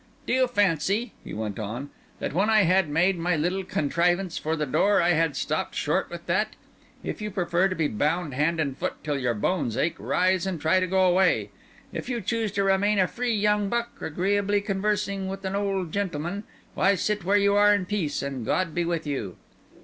"Do you fancy," he went on, "that when I had made my little contrivance for the door I had stopped short with that? If you prefer to be bound hand and foot till your bones ache, rise and try to go away. If you choose to remain a free young buck, agreeably conversing with an old gentleman—why, sit where you are in peace, and God be with you."